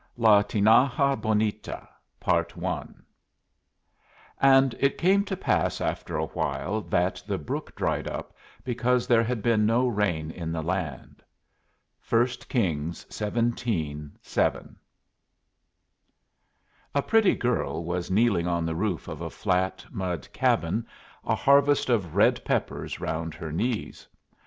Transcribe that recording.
LA TINAJA BONITA "And it came to pass after a while that the brook dried up, because there had been no rain in the land." 1 Kings xvii. 7. A pretty girl was kneeling on the roof of a flat mud cabin, a harvest of red peppers round her knees.